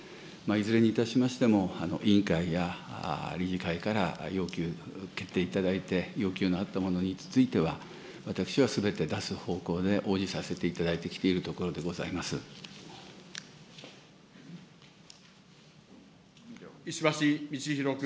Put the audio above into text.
いずれにいたしましても、委員会や理事会から要求受けていただいて、要求のあったものについては、私はすべて出す方向で応じさせていただいてきているところでござ石橋通宏君。